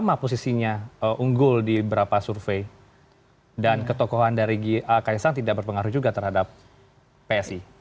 jadi sama posisinya unggul di beberapa survei dan ketokohan dari kaisang tidak berpengaruh juga terhadap psi